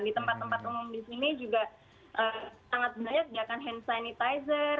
di tempat tempat umum di sini juga sangat banyak sediakan hand sanitizer